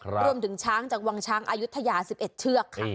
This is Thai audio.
รวมถึงช้างจากวังช้างอายุทยา๑๑เชือกค่ะ